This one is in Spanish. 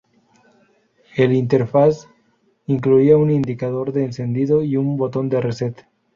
El interface incluía un indicador de encendido y un botón de reset.